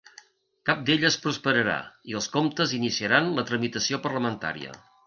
Cap d’elles prosperarà i els comptes iniciaran la tramitació parlamentària.